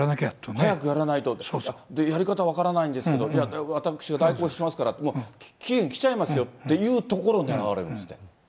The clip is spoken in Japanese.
早くやらないと、で、やり方分からないんですけど、じゃあ私が代行しますから、もう、期限来ちゃいますよというところに現れるんですって。